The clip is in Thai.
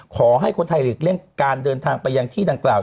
ขอให้คนไทยออกมาเรียกการเดินทางไปที่ดังกล่าว